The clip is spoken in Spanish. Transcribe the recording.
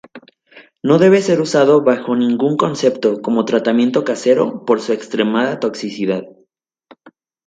No debe ser usado bajo ningún concepto como tratamiento casero por su extremada toxicidad.